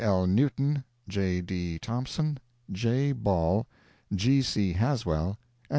L. Newton, J. D. Thompson, J. Ball, G. C. Haswell and Wm.